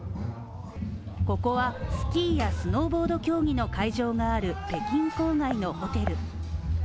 ここはスキーやスノーボード競技の会場がある北京郊外のホテル。